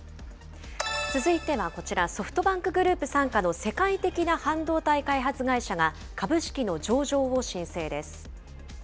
続いてはこちら、ソフトバンクグループ傘下の世界的な半導体開発会社が、株式の上場を申請です。